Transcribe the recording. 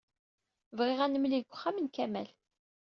Bɣiɣ ad nemlil deg uxxam n Kamal.